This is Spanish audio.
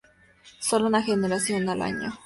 Sólo una generación al año.